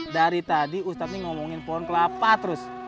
dari tadi ustadz ini ngomongin pohon kelapa terus